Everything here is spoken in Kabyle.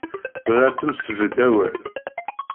Bɣiɣ ad tesbeddem awal.